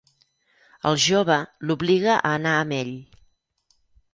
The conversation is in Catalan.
El jove l'obliga a anar amb ell.